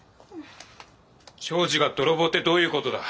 長次が泥棒ってどういう事だ？